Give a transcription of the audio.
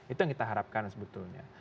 itu yang kita harapkan sebetulnya